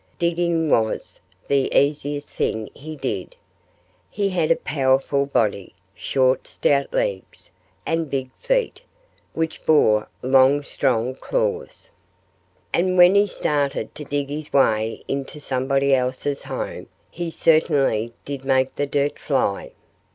Digging was the easiest thing he did. He had a powerful body, short, stout legs, and big feet, which bore long, strong claws. And when he started to dig his way into somebody else's home he certainly did make the dirt fly.